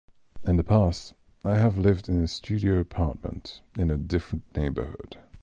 In the past, I have lived in a studio apartment in a different neighborhood.